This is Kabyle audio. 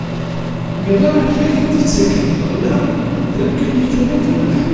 Irra akal i d-ittaken lɣella d amkan yeččuren d lemleḥ.